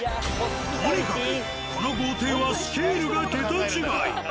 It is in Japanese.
とにかくこの豪邸はスケールが桁違い。